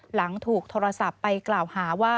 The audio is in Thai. หลังถูกโทรศัพท์ไปกล่าวหาว่า